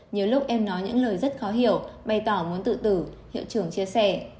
nhiều lúc em nói những lời rất khó hiểu bày tỏ muốn tự tử hiệu trưởng chia sẻ